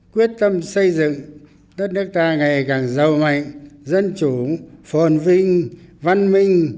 quyết tâm xây dựng đất nước ta ngày càng giàu mạnh dân chủ phồn vinh văn minh